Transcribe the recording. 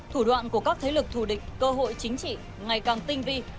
thủ đoạn của các thế lực thù địch cơ hội chính trị ngày càng tinh vi